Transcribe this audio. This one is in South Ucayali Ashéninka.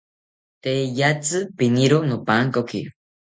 Tee iyatzi piniro nopankoki